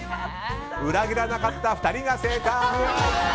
裏切らなかった２人が正解。